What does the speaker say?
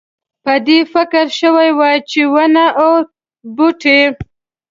په دې فکر شوی وای چې ونه او بوټی.